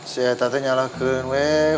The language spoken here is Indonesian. saya tadi nyalahkan weh